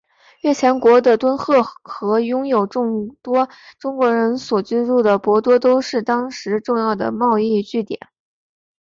越前国的敦贺和拥有众多中国人所居住的博多都是当时重要的贸易据点。